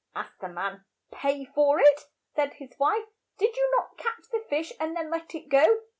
asked the man. "Pay for it!" said his wife. Did you not catch the fish, and then let it ^>go.